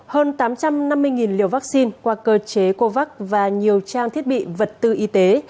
hơn tám trăm năm mươi liều vaccine qua cơ chế covax và nhiều trang thiết bị vật tư y tế